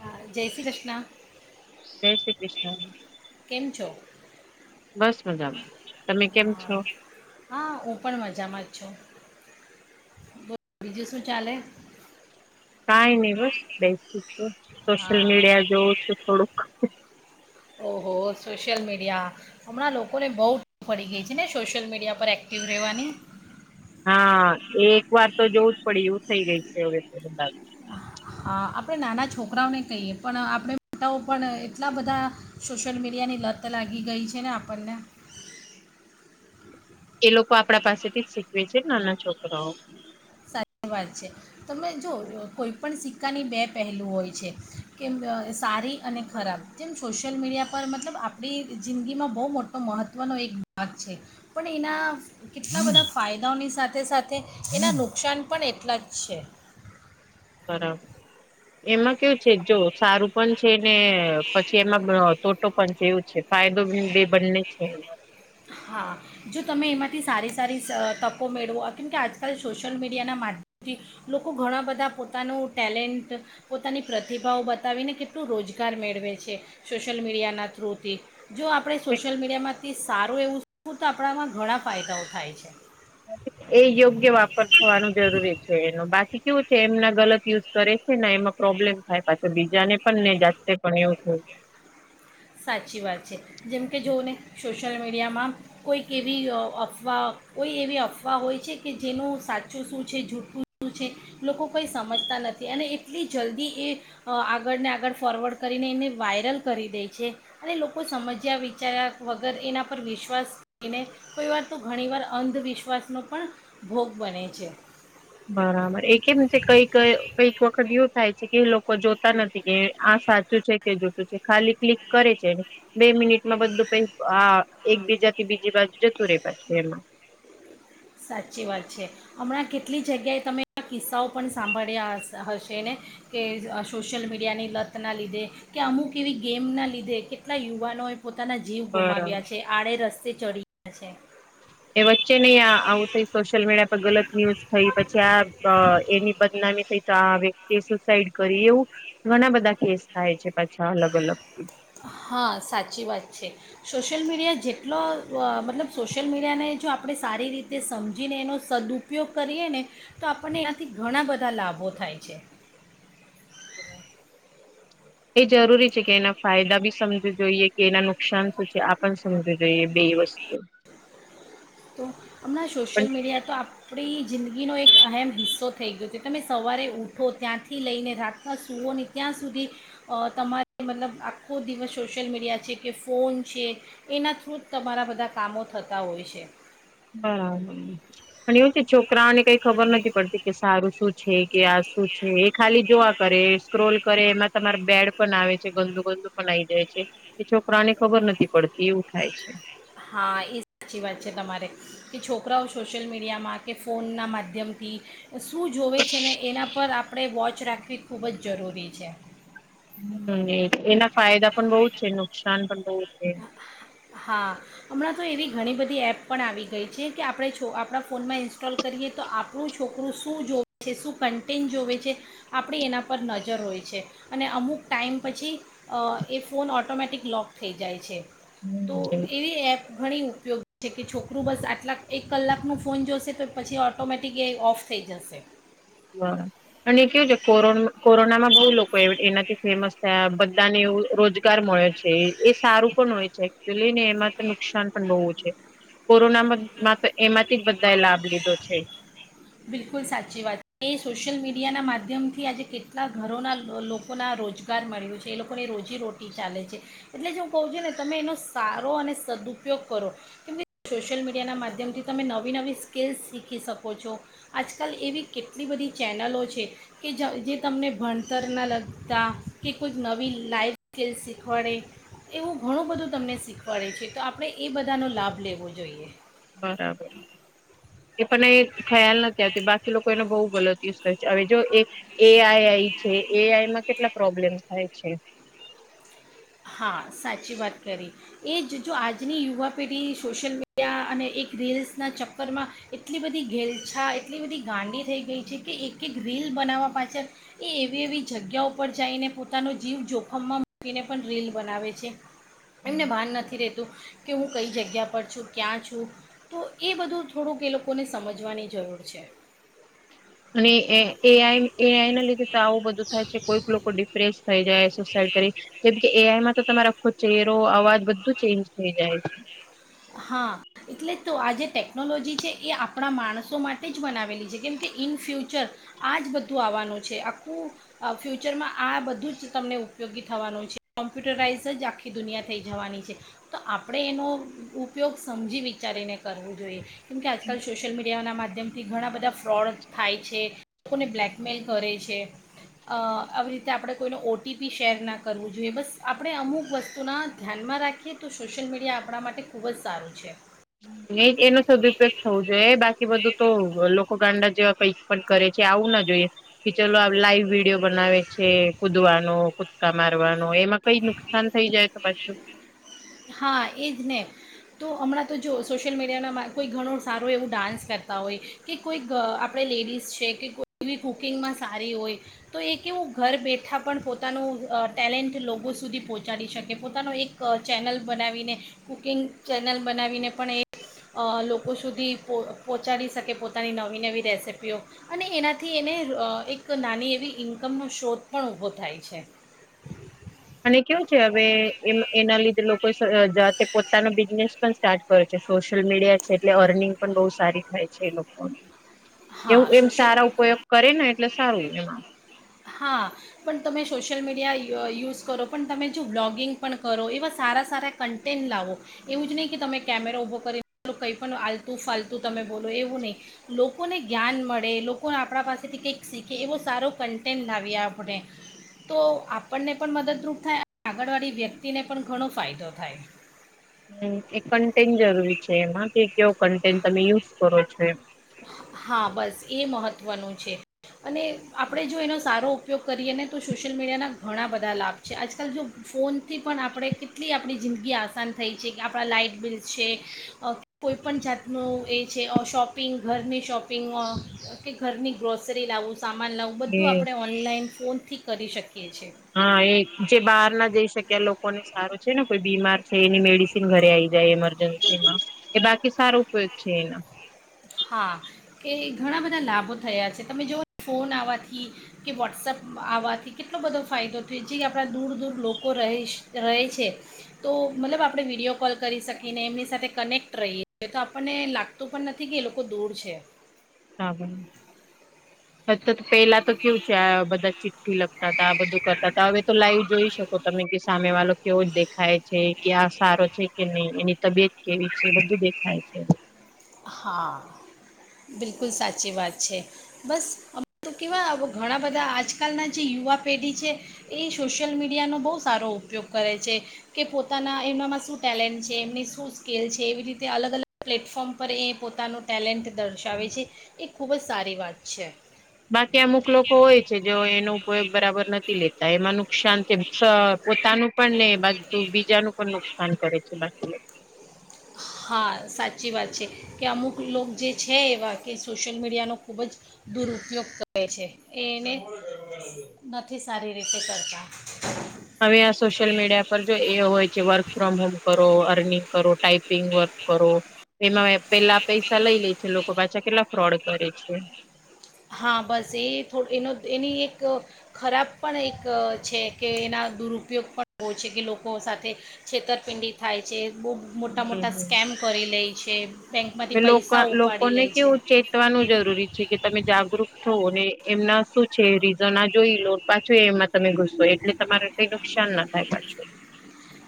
હ જય શ્રી કૃષ્ણ જય શ્રી કૃષ્ણ કેમ છો? બસ મજામાં તમે કેમ હા, છો? હા હું પણ મજામાં જ છું. બીજું શું ચાલે? કાંઈ નહી બસ બેસ સોશિયલ હા મીડિયા જોવું છું થોડુંક ઓહો સોશિયલ મીડિયા! હમણાં લોકોને બહુ પડી ગઈ છે, ને સોશિયલ મીડિયા પર એક્ટિવ રહેવાની હા એક વાર તો જોવું જ પડે એવું થઈ ગય છે, હવે તો બધા હા! આપણે નાના છોકરાઓને કહીએ, પણ આપણે મોટાઓ પણ, એટલા બધા સોશિયલ મીડિયાની લત લાગી ગઈ છે, ને આપણને એ લોકો આપડા પાસેથી જ શીખવે છે. ના ના છોકરાઓ સાચી વાત છે. તમે જો કોઈપણ સિક્કાની બે પહેલું હોય છે, કેમ સારી અને ખરાબ. જેમ સોશિયલ મીડિયા પર મતલબ આપણી જિંદગીમાં બહુ મોટો મહત્ત્વનો એક ભાગ છે. પણ એના કેટલા બધા ફાયદાઓની સાથે સાથે એના નુકસાન પણ એટલા જ છે. બરાબર એમાં કેવું છે? જો સારું. પણ છે ને પછી એમાં [inaudible] પણ જેવું છે, ફાયદો બી બંને છે. હા! જો તમે એમાંથી સારી સારી તકો મેળવો કેમકે આજકાલ સોશ્યયલ મીડિયાના માધ્યમથી લોકો ઘણા બધા પોતાનું ટેલેન્ટ પોતાની પ્રતિભાઓ બતાવીને કેટલું રોજગાર મેળવે છે. સોશ્યયલ મીડિયાના થ્રુ થી. જો આપણે સોશિયલ મીડિયા માંથી સારુ તો, એવું તો આપણામાં ઘણા ફાયદાઓ થાય છે. એ યોગ્ય વાપર થવાનું જરૂરી છે. એનું બાકી કેવું છે.? એમના ગલત યુઝ કરે. છૈને એમાં પ્રોબ્લેમ થાય પાછો બીજાને પણને જાસ્તે પણ એવું થયું- સાચી વાત છે. જેમ કે, જોવ ને. સોશિયલ મીડિયામાં કોઈક એવી અફવા, કોઈ એવી અફવા હોય છે કે, જેનું સાચું શું છે? જૂઠઠું શું છે? લોકો કંઈ સમજતા નથી, અને એટલી જલ્દી એ આગળને આગળ ફોરવર્ડ કરીને એને વાયરલ કરી દેય. છે. અને લોકો સમજ્યા વિચાર્યા વગર એના પર વિશ્વાસ લઈને, કોઈ વાર તો ઘણીવાર અંધવિશ્વાસનો પણ ભોગ બને છે. બરાબર એ કેમ છે, કઈક કઈક વખત એવું થાય છે. કે લોકો જોતા નથી. કે આ સાચું છે કે જોતું છે. ખાલી ક્લિક કરે છે. બે મિનિટમાં બધું પકઆઆ એકબીજાથી બીજી બાજુ જતું રે પાછું એમાં. સાચી વાત છે. હમણાં કેટલી જગ્યાએ તમે આ કિસ્સાઓ પણ સાંભળ્યા હ હશે, ને કે સોશિયલ મીડિયાની લતના લીધે, કે અમુક એવી ગેમના લીધે કેટલા યુવાનોએ. પોતાના જીવ ગુમાવ્યા બરાબર છે. આડે રસ્. તે ચઢી જછે. એ વચ્ચે નહી આ આવું થઈ સોશિયલ મીડિયા પર ગલત ન્યૂઝ થઈ, પછી આ એની બદનામી થઈ તો, આ વ્યક્તિએ સુસાઈડ કરી એવું ઘણા બધા કેસ થાય છે. પાછા અલગ અલગ. હા સાચી વાત છે. સોશિયલ મીડિયા જેટલો, મતલબ સોશિયલ મીડિયાને જો આપણે સારી રીતે સમજીને એનો સદપયોગ કરીએ ને તો આપણને એથી ઘણા બધા લાભો થાય છે. હ. [inaudible] એ જરૂરી છે કે, એના ફાયદા બી સમજ જોઈએ કે એના નુક નુકસાન શું છે, આપણ સમજ જોઈએ બે વસ્તુ. તો હમણાં પણ સોશિયલ મીડિયા તો આપણી. જિંદગીનો એક અહેમ હિસ્સો થઈ ગયો છે. તમે સવારે ઉઠો ત્યાંથી લઈને રાતના સૂઓ ને ત્યાં સુધી, તમારે મતલબ આખો દિવસ સોશિયલ મીડિયા છે કે, ફોન છે એના થ્રુ જ તમારા બધા કામો થતા હોય છે. બરાબર અને એવું છે છોકરાને કઈ ખબર નથી પડતી કે સારું શું છે કે આ શું છે એ ખાલી જોવા કરે સ્ક્રોલ કરે એમાં તમારે બેડ પણ આવે છે ગંદુ ગંદુ પણ આઈ જાય છે કે છોકરાને ખબર નથી પડતી એવું થાય છે. હા એ સાચી વાત છે તમારે કે છોકરાઓ સોશિયલ મીડિયામાં કે ફોનના માધ્યમથી શું જોવે છે ને એના પર આપણે વોચ રાખવી ખૂબ જ જરૂરી છે. હમ એના ફાયદા પણ બહુ જ છે નુકસાન પણ બહુ. એ. હા હમણાં તો એવી ઘણી બધી એપ પણ આવી ગઈ છે કે આપણે છો આપણા ફોનમાં ઇન્સ્ટોલ કરીએ તો આપણું છોકરું શું જોવે છે શું કન્ટેન્ટ જોવે છે આપણી એના પર નજર હોય છે અને અમુક ટાઈમ પછી એ ફોન ઓટોમેટિક લોક થઈ જાય છે. છે. હમ એ. ઘણી ઉપયોગી છે કે છોકરું બસ આટલા એક કલાકનું ફોન જોશે તો પછી ઓટોમેટિક એ ઓફ થઈ જશે હ અને કેવું છે કોરો કોરોનામાં બહુ લોકો એનાથી ફેમસ થયા બધાને એવું રોજગાર મળ્યો છે એ સારું પણ હોય છે એકચુલી ને એમાં તો નુકસાન પણ બહુ છે કોરોના તો એમાંથી જ બધા એ લાભ લીધો છે. બિલકુલ સાચી વાત છે એ સોશિયલ મીડિયાના માધ્યમથી આજે કેટલા ઘરોના લોકોના રોજગાર મળ્યો છે એ લોકોને રોજીરોટી ચાલે છે એટલે જે હું કહું છું ને તમે એનો સારો અને સદઉપયોગ કરો કેમ કે સોશિયલ મીડિયાના માધ્યમથી તમે નવી નવી સ્કીલ્સ શીખી શકો છો. આજકાલ એવી કેટલી બધી ચેનલો છે કે જે તમને ભણતરના લગતા કે કોઈક નવી લાઈવ સ્કલ શીખવાડે એવું ઘણું બધું તમને શીખવાડે છે તો આપણે એ બધાનો લાભ લેવો જોઈએ. બરાબર. એ પણ એ ખ્યાલ નથી આવતી બાકી લોકો એને બહુ ગલતી હવે જો એ એઆઈઆઈ છે એઆઈમાં કેટલા પ્રોબ્લેમ થાય છે. હા સાચી વાત કરી એ જ જો આજની યુવા પેઢી સોશિયલ મીડિયા અને એક રીલ્સના ચક્કરમાં એટલી બધી ઘેલછા એટલી બધી ગાંડી થઈ ગઈ છે કે એક એક રીલ બનાવવા પાછળ એ એવી એવી જગ્યા પરર જઈને પોતાનો જીવ જોખમમાં મૂકીને રીલ બનાવે છે એમને ભાન નથી રહેતું કે હું કઈ જગ્યા પર છું ક્યાં છું તો એ બધું થોડુંક એ લોકોને સમજવાની જરૂર છે. અને એ આઈ એ આઈ ના લીધે તો આવું બધું થાય છે કોઈક લોકો ડિપ્રેસ થઈ જાય સરકરી જેમ કે એ આઈમાં તો તમારે આખો ચેરો અવાજ બધું ચેન્જ થઈ જાય છે. હા એટલે જ તો આ જે ટેકનોલોજી છે એ આપણા માણસો માટે જ બનાવેલી છે કેમ કે ઇન ફ્યુચર આ જ બધું આવવાનું છે આખું ફ્યુચરમાં આ બધું જ તમને ઉપયોગી થવાનું છે કોમ્પ્યુટરાઇઝ જ આખી દુનિયા થઈ જવાની છે તો આપણે એનો. ઉપયોગ સમજી વિચારીને કરવું જોઈએ. કેમ કે આજકાલ સોશ્યલ મીડિયા ના માધ્ય. માધ્યમથી ઘણા બધા ફ્રોડ થાય છે લોકોને બ્લેકમેલ કરે છે આવી રીતે આપણે કોઈનો ઓટીપી શેર ના કરવું જોઈએ બસ આપણે અમુક વસ્તુના ધ્યાનમાં રાખીએ તો સોશિયલ મીડિયા આપણા માટે ખૂબ જ સારું છે. નહી એનો સદુપયોગ થવો જોઈએ બાકી બધું તો લોકો ગાંડા કઈક પણ કરે છે આવું ના જોઈએ કે ચલો લાઈવ યો બનાવે છે કુદવાનો કુદકામ મારવાર મ એમાં કઈ નુકસાન થઈ જાય તો પાછું હા એ જ ને તો હમણાં તો જો સોશિયલ મીડિયાના કોઈ ઘણું સારું એવું ડાન્સ કરતા હોય કે કોઈ આપણે લેડીઝ છે કે કોઈ કુકિંગમાં સારી હોય તો એ એવું ઘર બેઠા પણ પોતાનું ટેલેન્ટ લોકો લોકો સુધી પહોંચાડી શકે પોતાનો એક ચેનલ બનાવીને કુકિંગ ચેનલ બનાવીને પણ એ લોકો સુધી પહોંચાડી શકે પોતાની નવી નવી રેસીપીઓ અને એનાથી એને એક નાની એવી ઇન્કમનો શ્રોત પણ ઊભો થાય છે. અને કેવું છે હવે એ એના લીધે લોકો જાતે પોતાનો બિઝનેસ પણ સ્ટાર્ટ કરે છે સોશિયલ મીડિયા છે એટલે અર્નિંગ પણ બહ સારી થાય છે એ લોકોને. એવું હા એમ સોશિયલ સારા ઉપયોગ કરે ને એટલે. સારું. હા પણ તમે સોશિયલ મીડિયા યુઝ કરો પણ તમે જો બ્લોગિંગ પણ કરો એવા સારા સારા કન્ટેન્ટ લાવો એવું જ નહીં કે તમે કેમેરા ઊભો કરીને કંઈ પણ આલતું ફાલતું તમે બોલો એવું નહીં લોકોને જ્ઞાન મળે લોકોને આપણા પાસેથી કંઈક શીખે એવો સારો કં ટેન લાવીએ આપણે તો આપણને પણ મદદરૂપ થાય અને આગળવાળી વ્યક્તિને પણ ઘણો ફાયદો થાય. હ એ કન્ટેન્ટ જરૂરી છે એમાં કે કેવો કન્ટેન્ટ તમે યુઝ કરો છો એમ હા બસ એ મહત્ત્વનું છે અને આપણે જો એનો સારો ઉપયોગ કરીએ ને તો સોશિયલ મીડિયાના ઘણા બધા લાભ છે આજકાલ જો ફોન થી પણ આપણે કેટલી આપણી જિંદગી આસાન થઈ છે કે આપણા લાઇટ બિલ છે કોઈપણ જાતનું એ છે શોપ પિંગ ઘરની શોપિંગમાં કે ઘરની ગ્રોસરી લાવું સામાન લાવું, એ બધું આપણે ઓનલાઈન ફોન થી કરી શક હા એ જે બહાર ના જઈ શકે લોક લોકોને સારું છે ને કોઈ બીમાર છે એની મેડિસીન ઘરે આઈ જાય ઈમરજન્સીમાં, એ બાકી સારું કોઈક છે એના. હા કે ઘણા બધા લાભો થયા છે. તમે જોવોને ફોન આવવાથી કે વોટ્સઅપ આવવાથી કેટલો બધો ફાયદો થયો, જે આપણા દૂર-દૂર લોકો રહે છ રહે છે તો મતલબ આપણે વિડીયો કોલ કરી શકીને એમની સાથે કનેક્ટ રહીએ એ તો આપણને લાગતું પણ નથી. થી કે એ લોકો દૂર છે. [unintelligible] પેલા તો કેવું છે આ બધા ચિઠ્ઠી લખતા તા આ બધું કરતા હતા, હવે તો લાઈવ જોઈ શકો તમે કે સામે વાલો કેવો જ દેખાય છે, કે આ સારો છે કે નહી, એની તબિયત કેવી છે, બધું દેખાય છે. હા બિલકુલ સાચી વાત છે. બસ હવે તો કેવાય ઘણા બધા આજકાલના જે યુવા પેઢી છે એ સોશિયલ મીડિયાનો બહુ સારો ઉપયોગ કરે છે, કે પોતાના એનામાં શું ટેલેન્ટ છે, એમની શું સ્કિલ છે, એવી રીતે અલગ-અલગ પ્લેટફોર્મ પર એ પોતાનું ટેલેન્ટ દર્શાવે છે. એક ખૂબ જ સારી વાત છે. બાકી અમુક લોકો હોય છે જેઓ એનો ઉપયોગ બરાબર નથી લેતા, એમાં નુકસાન કે સ પોતાનું પણ ને બાજુ બીજાનું પણ નુકસાન કરે છે બાકી. હા સાચી વાત છે, કે અમુક લોક જે છે એવા કે સોશિયલ મીડિયાનો ખૂબ જ દુરુપયોગ કરે છે, એ એને નથી સારી રીતે કરતા. હવે આ સોશિયલ મીડિયા પર જો એ હોય છે વર્ક ફ્રોમ હોમ કરો અ [unintelligible] કરો ટાઈપ પિંગ વર્ક કરો એમાં એ પેલા પૈસા લઈ લે છે લોકો પાછા કેટલા ફ્રોડ કરે છે. હા બસ એ થોડું એનો એની એક ખરાબ પણ એક છે કે એના દુરુપયોગ પણ હોય છે કે લોકો સાથે છેતરપિંડી થાય છે. બહુ મોટા મોટા સ્કેમ કરી લેઈ. છે. એ બેંકમાંથી પૈસા લોકા ઉપાડી લે લોકોને છે કેવું ચેતવાનું જરૂરી છે કે તમે જાગૃત [unintelligible] એમના શું છે રીઝન આ જોઈ લો પાછું એમાં તમે ઘુસો એટલે તમારે કાઈ નુકસાન ના થાય પાછું.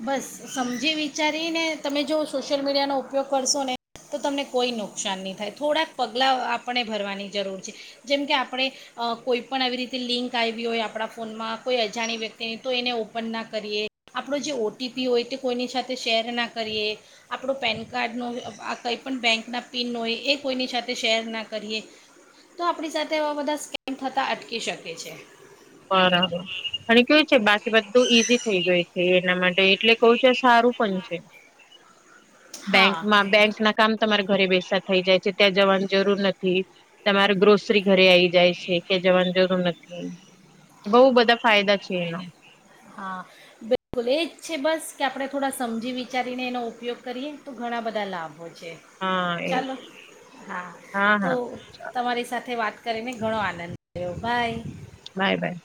બસ સમજી વિચારી ને તમે જો સોશિયલ મીડિયાનો ઉપયોગ કરશો ને તો તમને કોઈ નુકસાન નહી થાય. થોડાક પગલા આપણે ભરવાની જરૂર છે, જેમ કે આપણે અહ કોઈ પણ આવી રીતે લિંક આવી હોય આપણા ફોનમાં કોઈ અજાણી વ્યક્તિની તો એને ઓપન ના કરીએ. આપણો જે ઓ ટી પી હોય તે કોઈની સાથે શેર ના કરીએ, આપણું પેન કાર્ડનું આ કંઈપણ બેંકના પિન હોય એ કોઈની સાથે શેર ના કરીએ, તો આપણી સાથે આવા બધા સ્કેમ થતાં અટકી શકે છે. ઈ બધું ઈઝી થઈ ગઈ છે એના માટે એટલે કઉ છો સારું પણ છે. હા બેંકમાં બેંક ના કામ તમારે ઘરે બેસા થઈ જાય છે ત્યાં જવાની જરૂર નથી. તમારે ગ્રોસરી ઘરે આવી જાય છે કે જવાન જરુર નથ હમ્મ. બઉ બધા ફાયદા છે એના. હા બિલકુલ. એજ છે બસ કે આપણે થોડા સમજી વિચારીને એનો ઉપયોગ કરીએ તો ઘણા બધા લાભ હોય છે. હા એ ચાલો, હા તો તમારી સાથે વાત કરીને ઘણો આનંદ થયો, બાય. બાય-બાય.